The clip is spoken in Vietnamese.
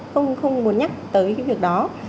không muốn nhắc tới cái việc đó